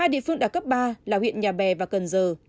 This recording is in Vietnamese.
hai địa phương đạt cấp ba là huyện nhà bè và cần giờ